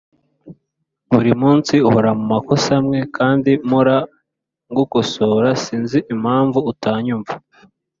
Buri munsi uhora mumakosa amwe kandi mpora ngukosora sinzi impamvu utanyumva